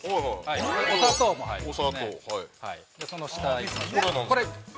お砂糖も入りますね。